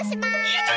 やった！